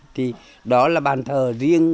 thì đó là bàn thờ riêng